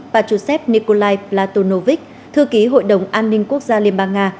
và chủ sếp nikolai platonovic thư ký hội đồng an ninh quốc gia liên bang nga